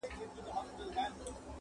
o ليکوال ژور نقد وړلاندي کوي ډېر,